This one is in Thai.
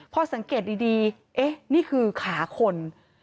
พอสังเกตดีนี่คือขาขน